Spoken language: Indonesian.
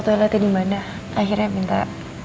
toiletnya dimana akhirnya minta